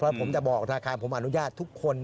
ผมจะบอกธนาคารผมอนุญาตทุกคน